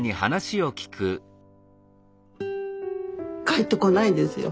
帰ってこないんですよ。